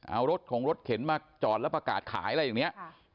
เอารถของรถเข็นมาจอดแล้วประกาศขายอะไรอย่างนี้